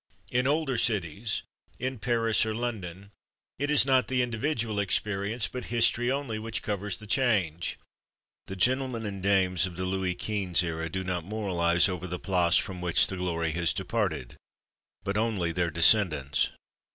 In older cities, in Paris or London, it is not the individual experience, but history only which covers the change. The gentlemen and dames of the Louis Quinze era do not moralize over the Place from which the glory has departed, but only their descendants.